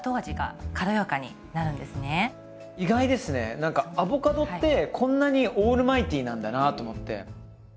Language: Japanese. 何かアボカドってこんなにオールマイティーなんだなと思って。